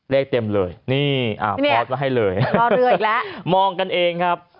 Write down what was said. เต็มเลยนี่อ่าพอร์ตไว้ให้เลยพอเรืออีกแล้วมองกันเองครับ